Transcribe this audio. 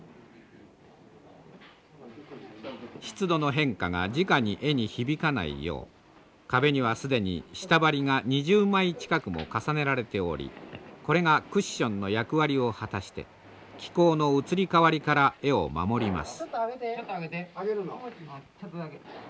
湿度の変化がじかに絵にひびかないよう壁には既に下張りが２０枚近くも重ねられておりこれがクッションの役割を果たして気候の移り変わりから絵を守ります。